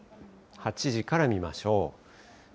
８時から見ましょう。